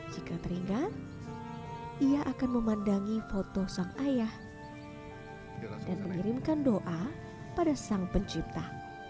jika teringat ia akan memandangi foto sang ayah dan mengirimkan doa pada sang pencipta